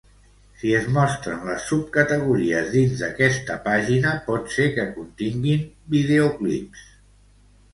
Si es mostren les subcategories dins d'aquesta pàgina, pot ser que continguin videoclips.